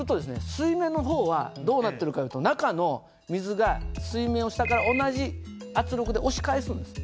水面の方はどうなってるかというと中の水が水面を下から同じ圧力で押し返すんです。